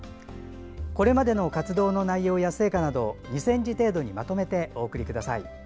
これまでの活動の内容や成果などを２０００字程度にまとめてお送りください。